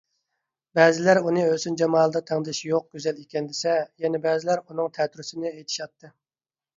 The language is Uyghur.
بەزىلەر ئۇنى ھۆسن - جامالدا تەڭدېشى يوق گۈزەل ئىكەن دېسە، يەنە بەزىلەر ئۇنىڭ تەتۈرىسىنى ئېيتىشاتتى.